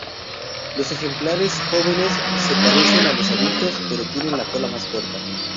Los ejemplares jóvenes se parecen a los adultos, pero tienen la cola más corta.